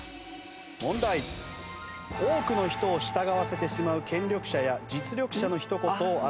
多くの人を従わせてしまう権力者や実力者の一言を表す言葉。